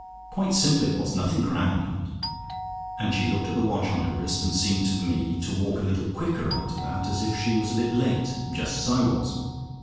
Quite simple it was, nothing grand. And she looked at the watch on her wrist, and she seemed to me to walk a little quicker after that, as if she was a bit late, just as I was.